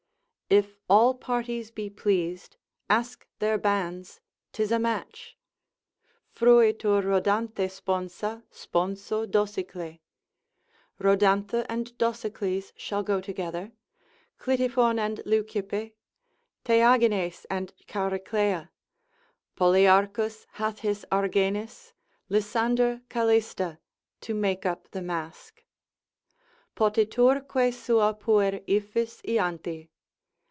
If all parties be pleased, ask their banns, 'tis a match. Fruitur Rhodanthe sponsa, sponso Dosicle, Rhodanthe and Dosicles shall go together, Clitiphon and Leucippe, Theagines and Chariclea, Poliarchus hath his Argenis', Lysander Calista, to make up the mask) Polilurque sua puer Iphis Ianthi.